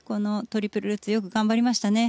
トリプルルッツよく頑張りましたね。